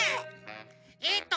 えっと